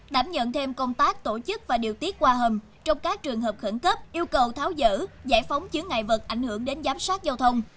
đảm nhận thêm công tác tổ chức và điều tiết qua hầm trong các trường hợp khẩn cấp yêu cầu tháo dỡ giải phóng chứa ngại vật ảnh hưởng đến giám sát giao thông